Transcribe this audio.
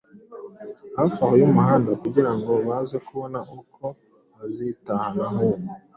hafi aho y’umuhanda kugira ngo baze kubona uko bazitahana nk’uko